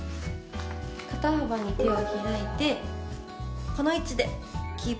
肩幅に手を開いてこの位置でキープしていきます。